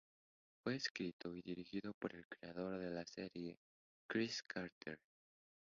Fue escrito y dirigido por el creador de la serie Chris Carter.